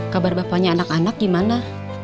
kabar bapaknya anak anak gimana